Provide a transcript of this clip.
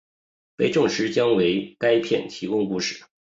被证实将为该片提供故事。